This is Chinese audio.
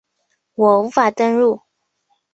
我无法登入